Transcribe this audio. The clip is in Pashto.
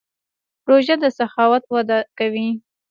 روژه د سخاوت وده کوي.